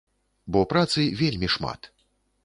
Бо працы вельмі шмат.